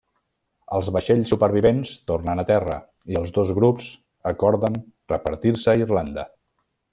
Els vaixells supervivents tornen a terra i els dos grups acorden repartir-se Irlanda.